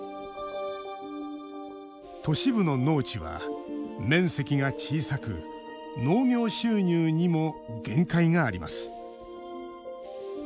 都市部の農地は面積が小さく農業収入にも限界があります。